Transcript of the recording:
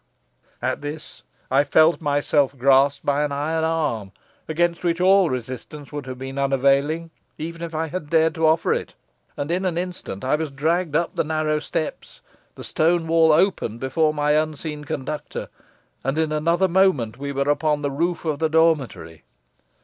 "At this I felt myself grasped by an iron arm, against which all resistance would have been unavailing, even if I had dared to offer it, and in an instant I was dragged up the narrow steps. The stone wall opened before my unseen conductor, and in another moment we were upon the roof of the dormitory.